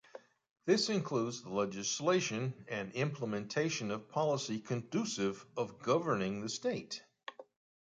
This includes the legislation and implementation of policy conducive of governing the state.